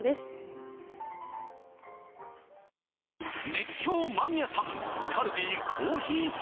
「熱狂マニアさん！」